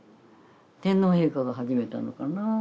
天皇陛下が始めたのかな